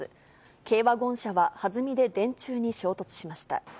軽ワゴン車は弾みで電柱に衝突しました。